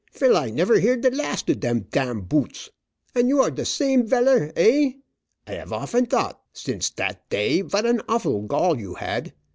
"Vill I never hear de last of dem dam boots? And you are de same veller, eh. I have often thought, since dat day, vot an awful gall you had.